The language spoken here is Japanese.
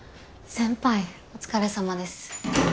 先輩お疲れ様です。